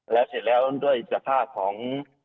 แล้วเสร็จแล้วด้วยสภาพของ